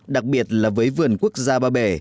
đặc biệt là với vườn quốc gia ba bể